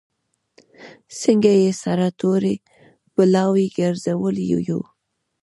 څنګه یې سره تورې بلاوې ګرځولي یو.